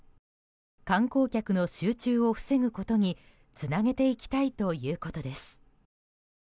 観光客の集中を防ぐことにつなげていきたいということです。